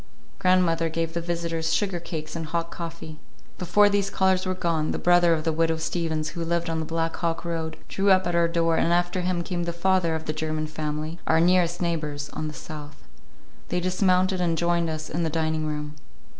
Grandmother gave the visitors sugar cakes and hot coffee. Before these callers were gone, the brother of the Widow Steavens, who lived on the Black Hawk road, drew up at our door, and after him came the father of the German family, our nearest neighbors on the south. They dismounted and joined us in the dining room.